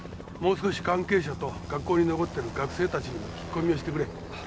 もう少し関係者と学校に残ってる学生たちにも聞き込みをしてくれ。